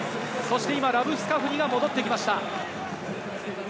ここで今、ラブスカフニが戻ってきました。